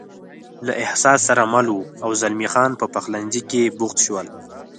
له احساس سره مل و، او زلمی خان په پخلنځي کې بوخت شول.